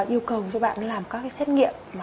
yêu cầu cho bạn ấy làm các xét nghiệm